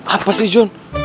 apa sih jun